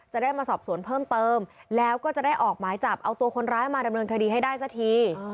จะได้มาสอบสวนเพิ่มเติมแล้วก็จะได้ออกหมายจับเอาตัวคนร้ายมาดำเนินคดีให้ได้สักที